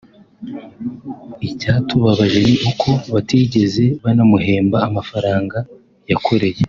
Icyatubabaje ni uko batigeze banamuhemba amafaranga yakoreye